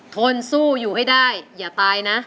ทนสู้อยู่ให้ได้อย่าตายนะ